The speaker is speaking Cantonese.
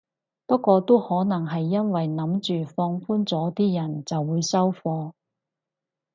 不過都可能係因為諗住放寬咗啲人就會收貨